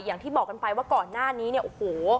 อย่างที่บอกกันไปว่าก่อนหน้านี้เนี่ยโอ้โห